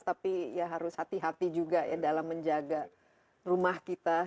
tapi ya harus hati hati juga ya dalam menjaga rumah kita